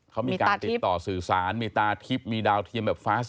เขามีการติดต่อสื่อสารมีตาทิพย์มีดาวเทียมแบบฟ้า